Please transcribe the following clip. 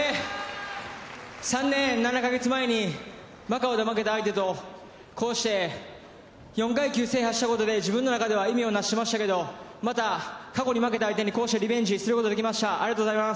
３年７カ月前にマカオで負けた相手とこうして４階級制覇したことで自分の中では歩み出しましたけれども、また過去で負けた相手にこうしてリベンジすることができました。